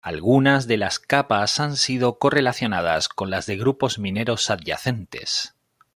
Algunas de las capas han sido correlacionadas con las de grupos mineros adyacentes.